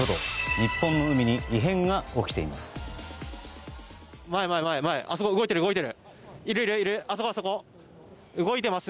日本の海に異変が起きています。